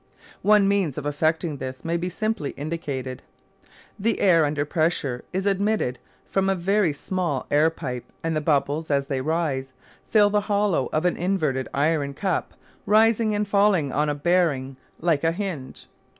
One means of effecting this may be simply indicated. The air under pressure is admitted from a very small air pipe and the bubbles, as they rise, fill the hollow of an inverted iron cup rising and falling on a bearing like a hinge.